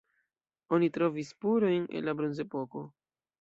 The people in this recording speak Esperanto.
Oni trovis spurojn el la bronzepoko.